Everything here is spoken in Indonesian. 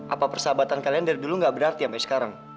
apa persahabatan kalian dari dulu gak berarti sampai sekarang